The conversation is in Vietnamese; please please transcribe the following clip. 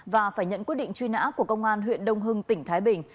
và phải nhận quyết định truy nã của công an huyện đông hưng tỉnh thái bình